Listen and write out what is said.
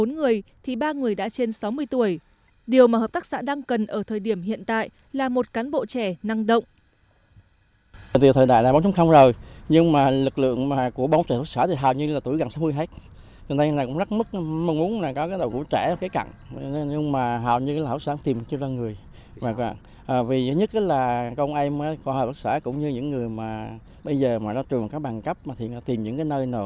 bốn người thì ba người đã trên sáu mươi tuổi điều mà hợp tác xã đang cần ở thời điểm hiện tại là một cán bộ trẻ năng động